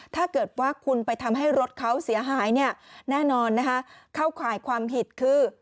ถ้าเกิดว่าคุณไปทำให้รถเขาเสียหายเนี่ยแน่นอนนะคะเข้าข่ายความผิดคือ